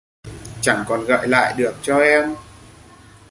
Chẳng còn gợi lại được cho em